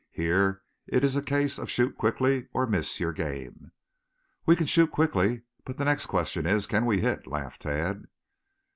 Here, it is a case of shoot quickly or miss your game." "We can shoot quickly, but the next question is, can we hit?" laughed Tad.